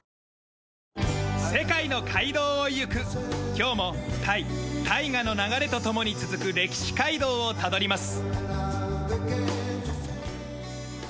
今日もタイ大河の流れと共に続く歴史街道をたどります。